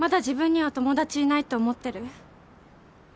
自分には友達いないと思ってる？